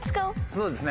そうですね。